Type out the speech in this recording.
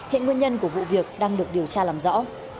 hiện nguyên nhân của vụ việc đang được điều tra làm rõ